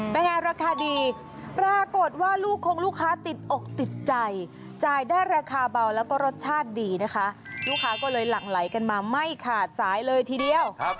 เป็นไงราคาดีปรากฏว่าลูกคงลูกค้าติดอกติดใจจ่ายได้ราคาเบาแล้วก็รสชาติดีนะคะลูกค้าก็เลยหลั่งไหลกันมาไม่ขาดสายเลยทีเดียว